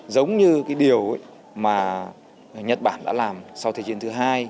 giống như cái điều mà nhật bản đã làm sau thế chiến thứ hai